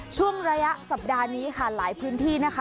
ช่วงระยะสัปดาห์นี้ค่ะหลายพื้นที่นะคะ